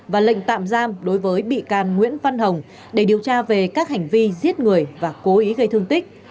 và lệnh tạm giam đối với bị can nguyễn văn hồng để điều tra về các hành vi giết người và cố ý gây thương tích